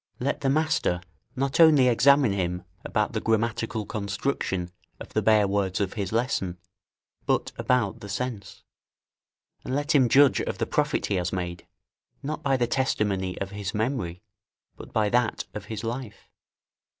Let the master not only examine him about the grammatical construction of the bare words of his lesson, but about the sense and let him judge of the profit he has made, not by the testimony of his memory, but by that of his life.